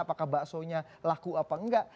apakah baksonya laku apa enggak